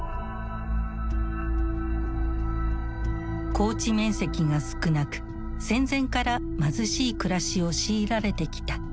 耕地面積が少なく戦前から貧しい暮らしを強いられてきた。